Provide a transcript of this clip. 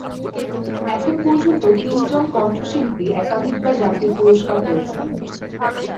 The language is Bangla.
এখন পর্যন্ত তিনজন কণ্ঠশিল্পী একাধিকবার জাতীয় পুরস্কার পেয়েছেন।